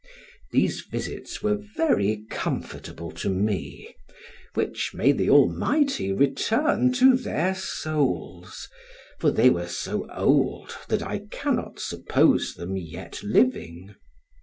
These visits were very comfortable to me, which may the Almighty return to their souls, for they were so old that I cannot suppose them yet living.